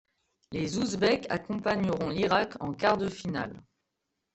Les ouzbeks accompagneront l'Irak en quarts de finale.